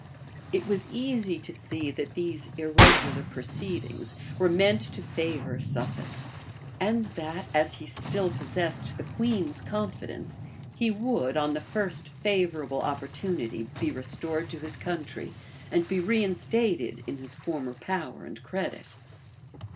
It was easy to see, that these irregular proceedings were meant to favor Suffolk, and that, as he still possessed the queen's confidence, he would, on the first favorable opportunity, be restored to his country, and be reinstated in his former power and credit.